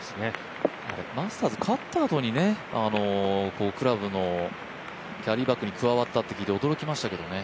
マスターズ勝ったあとにクラブのキャディーバッグに加わったと聞いて驚きましたけどね。